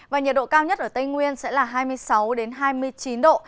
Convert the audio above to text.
và nhiệt độ cao nhất ở tây nguyên sẽ là hai mươi sáu hai mươi chín độ